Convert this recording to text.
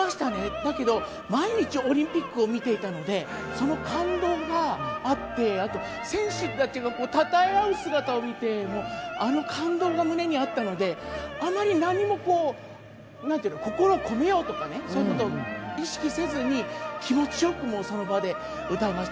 だけど毎日オリンピックは観ていたのでその感動があって、あと選手たちが称え合う姿を見てあの感動が胸にあったので、何も心を込めようとか、意識せずに気持ちよくその場で歌いました。